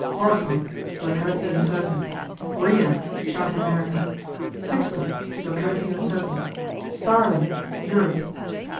"Horphang" Locality uncertain. Rhea South America. [Page 120] "Sixplet" Locality uncertain. Starling Europe.